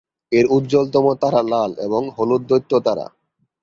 এর উজ্জ্বলতম তারা লাল এবং হলুদ দৈত্য তারা।